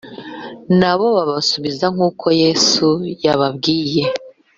Nabo babasubiza nk uko Yesu yababwiye